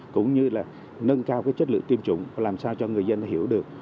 cũng như là nâng cao chất lượng tiêm chủng và làm sao cho người dân hiểu được